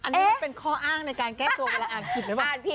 ที่มันเป็นห้ออ้างในการแก้จับตัวในวันอ่านผิด